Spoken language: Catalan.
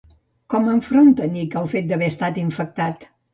Com enfronta Nick el fet d'haver estat infectat?